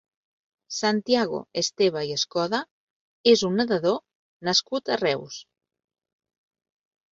Santiago Esteva i Escoda és un nedador nascut a Reus.